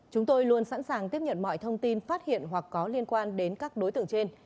chúng tôi luôn sẵn sàng tiếp nhận mọi thông tin phát hiện hoặc có liên quan đến các đối tượng trên